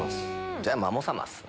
じゃあマモ様っすね。